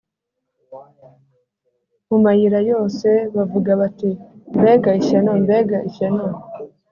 mu mayira yose bavuge bati «Mbega ishyano! Mbega ishyano!»